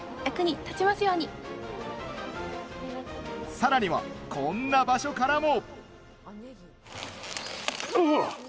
さらには、こんな場所からも。